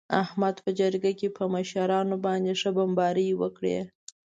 احمد په جرگه کې په مشرانو باندې ښه بمباري وکړه.